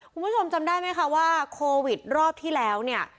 คุณผู้ชมจำได้ไหมคะว่าโควิดรอบที่แล้วเนี่ย